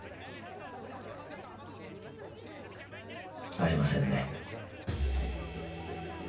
ありませんね。